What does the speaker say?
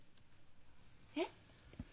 えっ？